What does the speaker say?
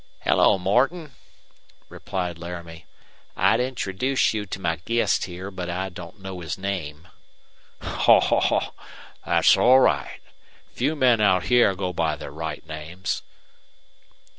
"Hello, Morton," replied Laramie. "I'd introduce you to my guest here, but I don't know his name." "Haw! Haw! Thet's all right. Few men out hyar go by their right names."